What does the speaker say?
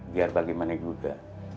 biar bagaimana juga